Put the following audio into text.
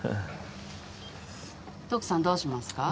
徳さんどうしますか？